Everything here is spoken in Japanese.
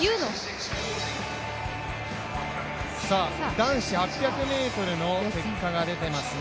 男子８００ｍの結果が出ていますね。